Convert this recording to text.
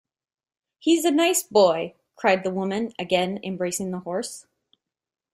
“He’s a nice boy!” cried the woman, again embracing the horse.